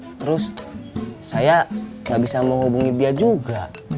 tapi terus saya gak bisa menghubungi dia juga